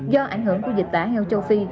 do ảnh hưởng của dịch tả heo châu phi